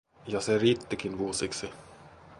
Ja se riittikin vuosiksi.